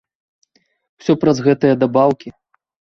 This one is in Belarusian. Усё праз гэтыя дабаўкі.